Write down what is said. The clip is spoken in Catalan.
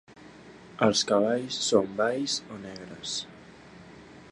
El cavalls són bais o negres.